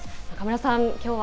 中村さん